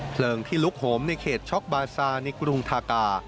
เพลิงที่ลุกโหมในเขตช็อกบาซาในกรุงทากา